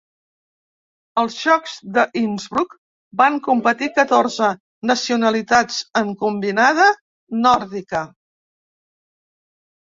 Als Jocs de Innsbruck, van competir catorze nacionalitats en combinada nòrdica.